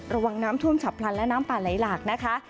ระวังน้ำท่วมฉับพลันและน้ำป่าไหลหลากนะคะ